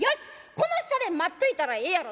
この下で待っといたらええやろ」